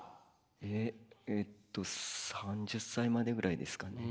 えっえっと３０歳までぐらいですかね。